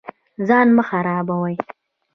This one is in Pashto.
ځان مه خرابوئ